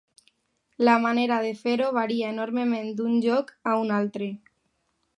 La manera de fer-ho varia enormement d'un lloc a un altre.